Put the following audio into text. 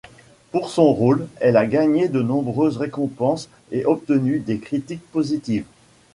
Pour son rôle, elle a gagné de nombreuses récompenses et obtenu des critiques positives.